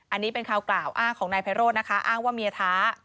อันนี้เป็นคำกล่าวอ้างของนายไพโรธนะคะอ้างว่าเมียท้า